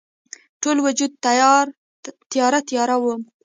ټول وجود تیاره، تیاره وم